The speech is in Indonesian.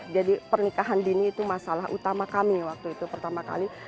jadi pernikahan dini itu masalah utama kami waktu itu pertama kali